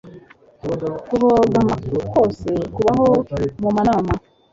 Kubogama kwose Kubaho mumanama